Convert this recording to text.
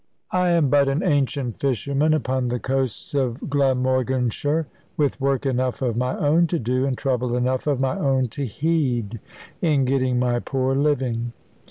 I am but an ancient fisherman upon the coast of Glamorganshire, with work enough of my own to do, and trouble enough of my own to heed, in getting my poor living.